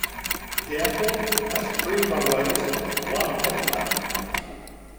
The airport has three runways and one helipad.